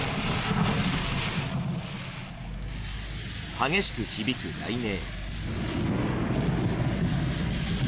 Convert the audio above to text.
激しく響く雷鳴。